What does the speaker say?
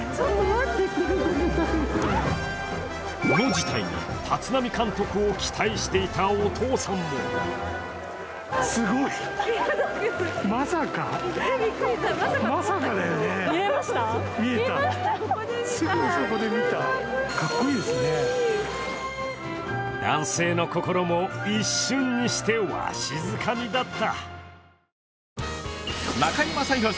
この事態に、立浪監督を期待していたお父さんも男性の心も一瞬にしてわしづかみだった。